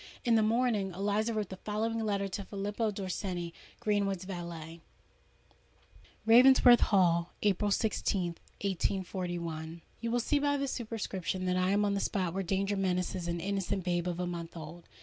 In the morning, Eliza wrote the following letter to Filippo Dorsenni, Greenwood's valet:— "Ravensworth Hall, April 16th, 1841. "You will see by the superscription that I am on the spot where danger menaces an innocent babe of a month old.